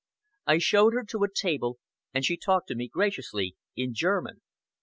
I showed her to a table, and she talked to me graciously in German.